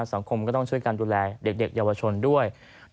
สังคมก็ต้องช่วยกันดูแลเด็กเยาวชนด้วย